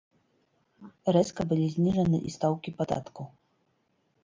Рэзка былі зніжаны і стаўкі падаткаў.